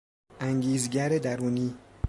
انگیزگر درونی